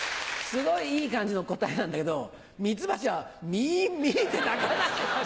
すごいいい感じの答えなんだけどミツバチはミンミンってなかない。